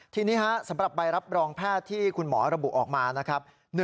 ทีนี้สำหรับใบรับรองแพทย์ที่คุณหมอระบุออกมานะครับ